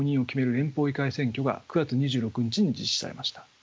連邦議会選挙が９月２６日に実施されました。